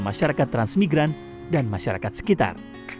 masyarakat transmigran dan masyarakat sekitar